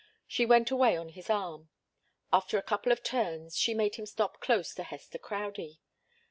She went away on his arm. After a couple of turns, she made him stop close to Hester Crowdie.